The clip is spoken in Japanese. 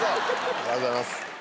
ありがとうございます。